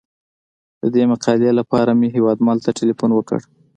د دې مقالې لپاره مې هیوادمل ته تیلفون وکړ.